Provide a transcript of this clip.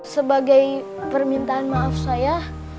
sebagai permintaan maaf saya